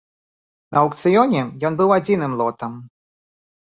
На аўкцыёне ён быў адзіным лотам.